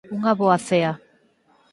Unha boa cea.